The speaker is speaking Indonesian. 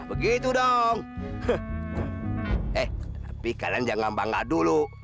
eh tapi kalian jangan bangga dulu